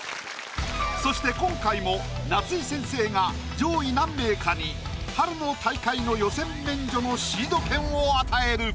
そして今回も夏井先生が上位何名かに春の大会の予選免除のシード権を与える。